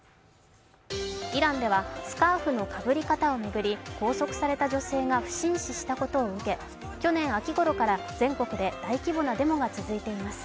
イランではスカーフのかぶり方を巡り拘束された女性が不審死したことを受け、去年秋頃から全国で大規模なデモが続いています。